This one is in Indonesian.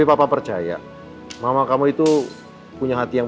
dan jernal apa aja kita talking